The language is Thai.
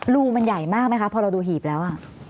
รูมันใหญ่มากไหมคะพอเราดูหีบแล้ว